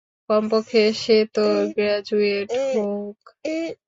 কমপক্ষে সে তো গ্র্যাজুয়েট হউক।